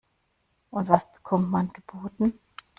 Und was bekommt man geboten?